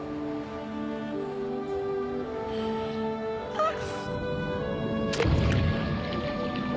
あっ！